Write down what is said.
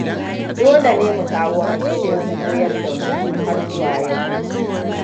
Dole ne mu kawo hanyoyin koyar da mu har zuwa yau.